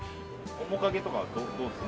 面影とかはどうですか？